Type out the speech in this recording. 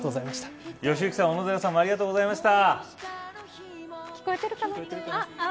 良幸さん、小野寺さんもありがとうございました。